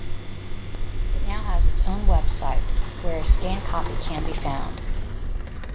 It now has its own website, where a scanned copy can be found.